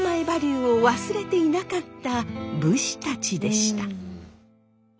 バリューを忘れていなかった武士たちでした。